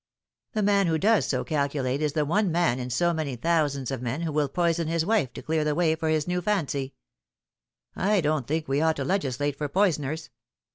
The man who does so calculate is the one man in so many thous ands of men who will poison his wife to clear the way for his new fancy. I don't think we ought to legislate for poisoners.